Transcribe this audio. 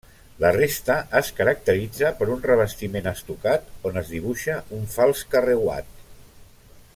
La resta es caracteritza per un revestiment estucat on es dibuixa un fals carreuat.